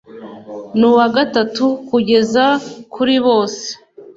N uwa gatatu kugeza kuri bose